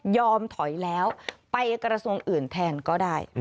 ถอยแล้วไปกระทรวงอื่นแทนก็ได้